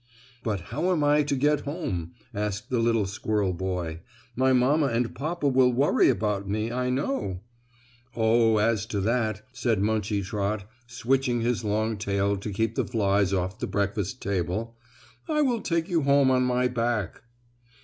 "But how am I to get home?" asked the little squirrel boy. "My mamma and papa will worry about me, I know." "Oh, as to that," said Munchie Trot, switching his long tail to keep the flies off the breakfast table, "I will take you home on my back."